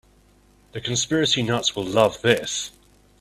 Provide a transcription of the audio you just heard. The conspiracy nuts will love this.